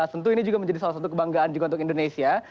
tentu ini juga menjadi salah satu kebanggaan juga untuk indonesia